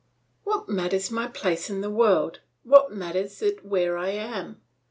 "What matters my place in the world? What matters it where I am?